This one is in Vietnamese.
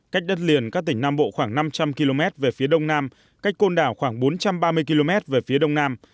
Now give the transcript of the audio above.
cách đất liền các tỉnh nam bộ khoảng năm trăm linh km về phía đông nam cách côn đảo khoảng bốn trăm ba mươi km về phía đông nam